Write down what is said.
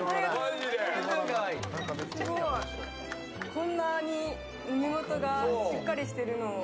こんなに目元がしっかりしてるの。